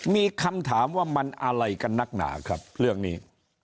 มีคำถามว่ามันอะไรกันนักหนาครับเรื่องนี้